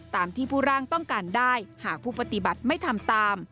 ตามที่ผู้ร่างต้องการได้หากผู้ปฏิบัติไม่ทำตาม